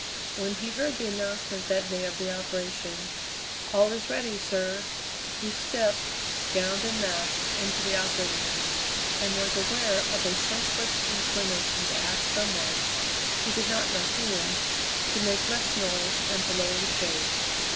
When he heard the announcement that day of the operation: "All is ready, sir!" he stepped, gowned and masked, into the operating room, and was aware of a senseless inclination to ask some one he did not know whom to make less noise and to lower the shades.